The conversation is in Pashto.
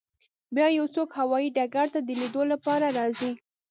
بیا یو څوک هوایی ډګر ته د لیدو لپاره راځي